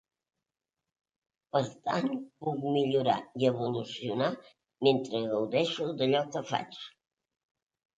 Per tant, puc millorar i evolucionar mentre gaudeixo d’allò que faig.